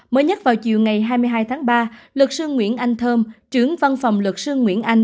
mới nhất vào chiều ngày hai mươi hai tháng ba luật sư nguyễn anh thơm trưởng văn phòng luật sư nguyễn anh